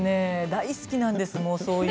大好きなんですよ。